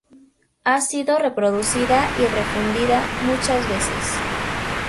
Ha sido reproducida y refundida muchas veces.